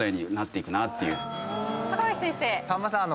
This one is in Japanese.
高林先生。